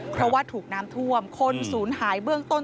เพราะว่าถูกน้ำท่วมคนศูนย์หายเบื้องต้น